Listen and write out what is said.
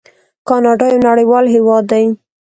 کاناډا یو نړیوال هیواد دی.